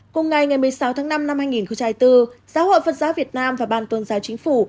cùng ngày một mươi sáu tháng năm năm hai nghìn bốn giáo hội phật giáo việt nam và ban tôn giáo chính phủ